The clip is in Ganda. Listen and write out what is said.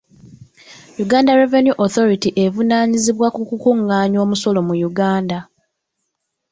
Uganda Revenue Authority evunaanyizibwa ku kukungaanya omusolo mu Uganda.